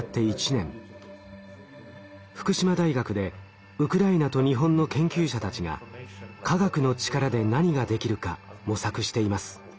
福島大学でウクライナと日本の研究者たちが科学の力で何ができるか模索しています。